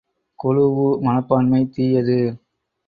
குழூஉ மனப்பான்மை தீயது!